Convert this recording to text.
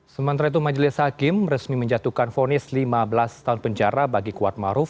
sementara itu majelis hakim resmi menjatuhkan fonis lima belas tahun penjara bagi kuatmaruf